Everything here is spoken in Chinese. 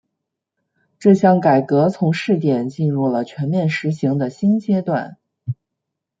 这项改革从试点进入了全面实行的新阶段。